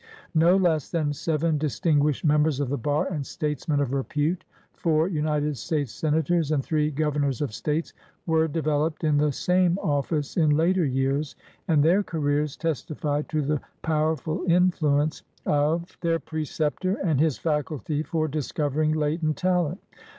No less than seven distinguished members of the bar and statesmen of repute — four United States senators and three governors of States — were developed in the same office in later years, and their careers testify to the powerful influence of 114 (vupj^/Ccckj (T ocicyo* A NOTABLE PARTNERSHIP their preceptor and his faculty for discovering latent talent.